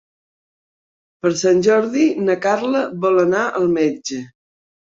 Per Sant Jordi na Carla vol anar al metge.